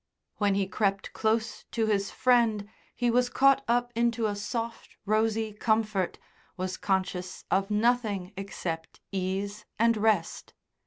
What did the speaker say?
When he crept close to his friend he was caught up into a soft, rosy comfort, was conscious of nothing except ease and rest.